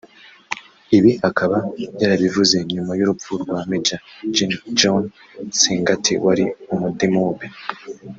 Ibi akaba yarabivuze nyuma y’urupfu rwa Maj Gen John Sengati wari umudemobe